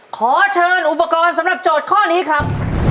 ขอเชิญอุปกรณ์สำหรับโจทย์ข้อนี้ครับ